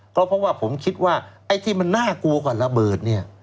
เพราะว่าผมคิดว่าไอ้ที่มันน่ากลัวกว่าระเบิดเนี่ย